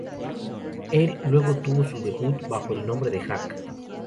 Él, luego tuvo su debut, bajo el nombre de Hak.